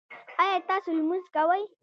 ایا تاسو لمونځ کوئ؟